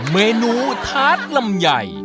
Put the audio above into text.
เมนูทาร์ทลำไย